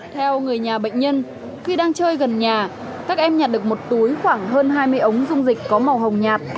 theo người nhà bệnh nhân khi đang chơi gần nhà các em nhặt được một túi khoảng hơn hai mươi ống dung dịch có màu hồng nhạt